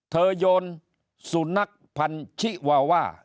เธอยนสุนัขพันธุ์ชิวาว่า